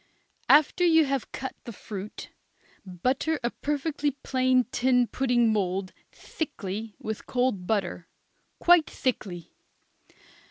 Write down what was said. After you have cut the fruit, butter a perfectly plain tin pudding mould thickly with cold butter, quite thickly.